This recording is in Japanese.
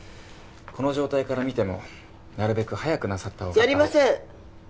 この状態から見てもなるべく早くなさった方がやりません！